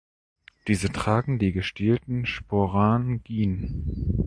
Diese tragen die gestielten Sporangien.